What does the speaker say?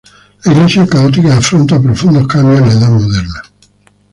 La Iglesia católica afronta profundos cambios en la Edad Moderna.